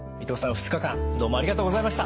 ２日間どうもありがとうございました。